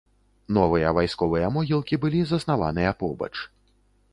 Новыя вайсковыя могілкі былі заснаваныя побач.